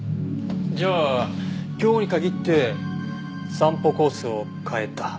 じゃあ今日に限って散歩コースを変えた？